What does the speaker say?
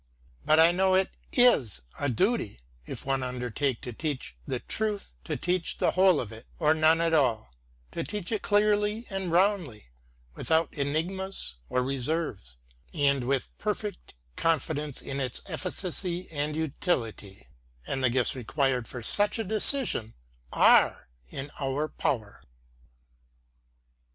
But I know it is a duty, if one undertake to teach the truth, to teach the whole of it or none at all, to teach it clearly and roundly, without enigmas or reserves, and with per fect confidence in its efficacy and utility; and the gifts required for such a decision are in our power.